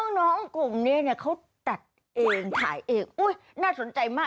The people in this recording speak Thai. น้องกลุ่มนี้เขาตัดเองถ่ายเองอุ๊ยน่าสนใจมาก